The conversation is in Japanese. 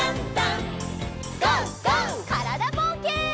からだぼうけん。